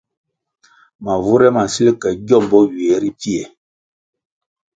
Mavure ma nsil ke giómbò ywiè ri pfie.